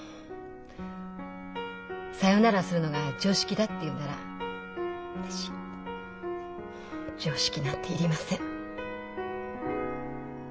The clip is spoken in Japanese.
さよならするのが常識だっていうんなら私常識なんていりません。